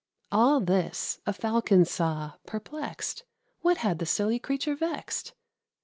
All this a Falcon saw, perplexed: What had the silly creature vexed?